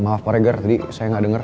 maaf pak regar tadi saya gak denger